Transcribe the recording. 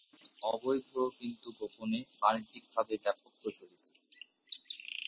অবৈধ কিন্তু গোপনে বাণিজ্যিকভাবে ব্যাপক প্রচলিত।